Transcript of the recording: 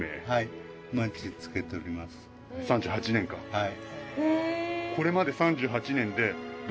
はい。